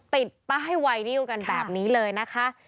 ติดป้ายไวนิวกันแบบนี้เลยนะคะ